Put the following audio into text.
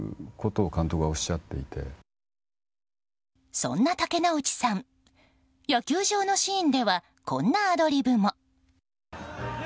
そんな竹野内さん野球場のシーンではこんなアドリブも。